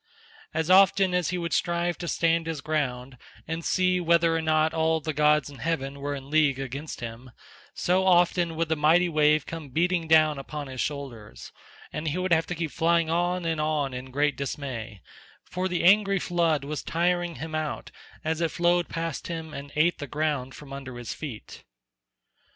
As often as he would strive to stand his ground, and see whether or no all the gods in heaven were in league against him, so often would the mighty wave come beating down upon his shoulders, and he would have to keep flying on and on in great dismay; for the angry flood was tiring him out as it flowed past him and ate the ground from under his feet.